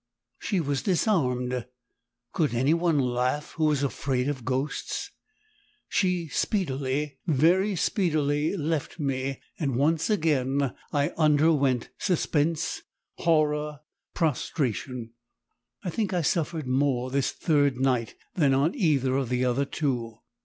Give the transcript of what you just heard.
She was disarmed! Could any one laugh who was afraid of ghosts? She speedily, VERY speedily left me and once again I underwent it ALL. Suspense horror prostration. I think I suffered more this third night than on either of the other two.